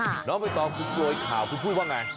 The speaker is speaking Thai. แล้วไปต่อคุณสวยข่าวคุณพูดว่าไง